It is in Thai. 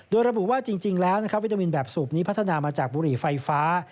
โดยระบุว่าจริงแล้วนะครับวิตามินแบบสูบนี้พัฒนามาจากบุหรี่ไฟฟ้า